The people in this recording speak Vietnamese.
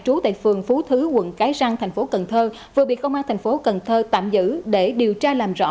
trú tại phường phú thứ quận cái răng tp cn vừa bị công an tp cn tạm giữ để điều tra làm rõ